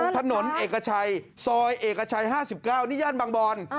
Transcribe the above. ถนนเอกชัยซอยเอกชัย๕๙นี่ย่านบางบอน